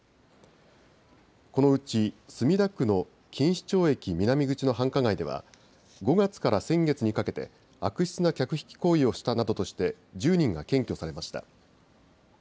このうち墨田区の錦糸町駅南口の繁華街では５月から先月にかけて悪質な客引き行為をしたなどとして１０人が検挙されました。